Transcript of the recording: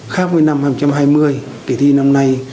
khác với năm hai nghìn hai mươi kỳ thi năm nay